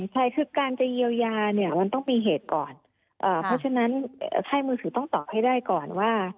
ใช่คือการจะเยียวยาเนี่ยมันต้องมีเหตุก่อนเพราะฉะนั้นค่ายมือถือต้องตอบให้ได้ก่อนว่า